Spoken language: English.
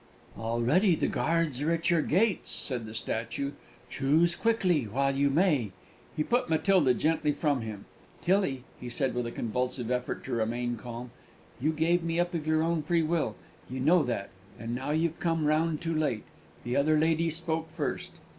"Already the guards are at your gates," said the statue; "choose quickly while you may!" He put Matilda gently from him: "Tillie," he said, with a convulsive effort to remain calm, "you gave me up of your own free will you know that and now you've come round too late. The other lady spoke first!"